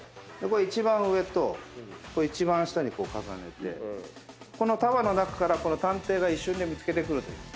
一番上と一番下に重ねてこの束の中から探偵が一瞬で見つけてくる。